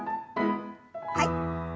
はい。